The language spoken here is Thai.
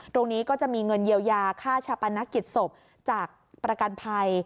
ตรงนี้ก็จะมีเงินเยียวยาค่าชาปนกิจศพจากประกันภัย